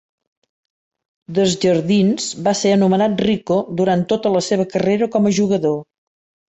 Desjardins va ser anomenat Rico durant tota la seva carrera com a jugador.